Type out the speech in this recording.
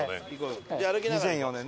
２００４年。